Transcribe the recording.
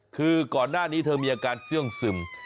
คือก่อนหน้านี้เธอมีอาการเสื่องซึม